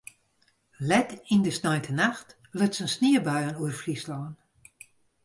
Let yn de sneintenacht lutsen sniebuien oer Fryslân.